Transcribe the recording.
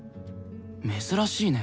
珍しいね。